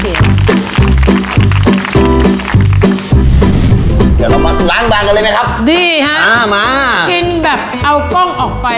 เดี๋ยวเรามาถึงล้างบางกันเลยไหมครับดีฮะอ่ามากินแบบเอากล้องออกไป